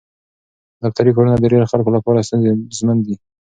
دفتري کارونه د ډېرو خلکو لپاره ستونزمن دي.